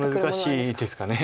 難しいですかね。